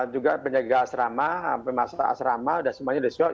juga penyegak asrama pemastah asrama sudah semuanya disuap